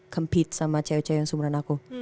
compete sama cewek cewek yang sumberan aku